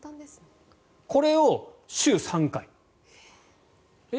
これを週３回。